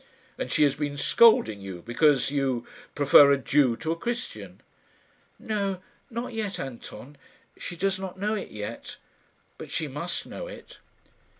"And she has been scolding you because you prefer a Jew to a Christian." "No not yet, Anton. She does not know it yet; but she must know it."